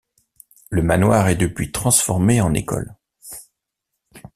Le manoir est depuis transformé en école.